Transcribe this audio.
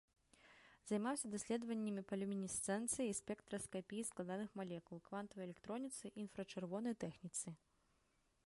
Займаўся даследаваннямі па люмінесцэнцыі і спектраскапіі складаных малекул, квантавай электроніцы, інфрачырвонай тэхніцы.